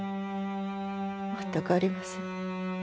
全くありません。